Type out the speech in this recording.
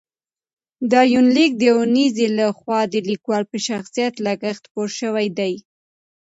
دا یونلیک د اونیزې له خوا د لیکوال په شخصي لګښت خپور شوی دی.